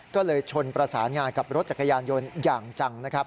ก็เลยชนประสานงานกับรถจักรยานยนต์อย่างจังนะครับ